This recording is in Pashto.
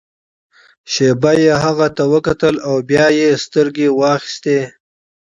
شېبه يې هغې ته وکتل او بيا يې سترګې واخيستې.